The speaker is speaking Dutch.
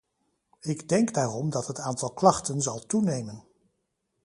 Ik denk daarom dat het aantal klachten zal toenemen.